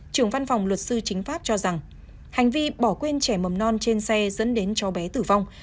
trưởng văn phòng luật sư chính pháp cho rằng hành vi bỏ quên trẻ mầm non trên xe dẫn đến cháu bé tử vong